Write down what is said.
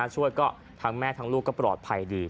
ช่วยก็ทั้งแม่ทั้งลูกก็ปลอดภัยดี